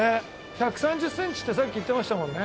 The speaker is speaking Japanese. １３０センチってさっき言ってましたもんね。